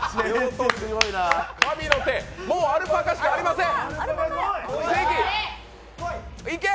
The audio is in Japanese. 神の手、もうアルパカしかありません。